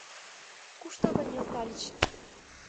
Куштылгын нӧлтальыч